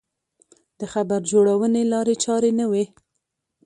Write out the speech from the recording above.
د خبر جوړونې لارې چارې نه وې.